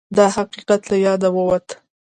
دا حقیقت له یاده ووت